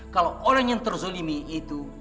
kalau orang yang terzolimi itu